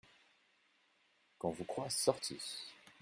Qu'on vous croie sorti.